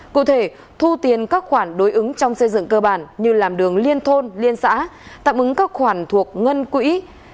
cụ thể thu tiền các khoản đối ứng trong xây dựng cơ bản như làm đường liên thôn liên xã tạm ứng các khoản thuộc ngân quỹ